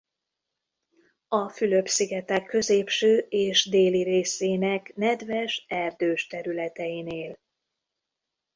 A Fülöp-szigetek középső és déli részének nedves erdős területein él.